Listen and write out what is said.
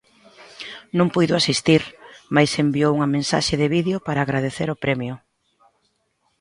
Non puido asistir, mais enviou unha mensaxe de vídeo para agradecer o premio.